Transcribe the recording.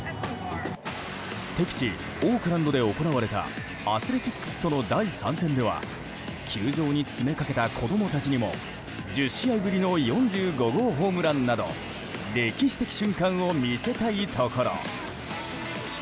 敵地オークランドで行われたアスレチックスとの第３戦では球場に詰めかけた子供たちにも１０試合ぶりの４５号ホームランなど歴史的瞬間を見せたいところ。